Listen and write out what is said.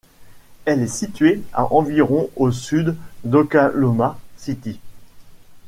Elle est située à environ au sud d'Oklahoma City.